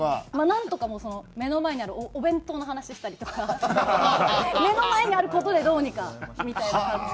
なんとかもう目の前にあるお弁当の話したりとか目の前にある事でどうにかみたいな感じ。